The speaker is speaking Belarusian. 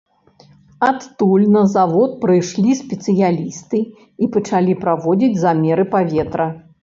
Адтуль на завод прыйшлі спецыялісты і пачалі праводзіць замеры паветра.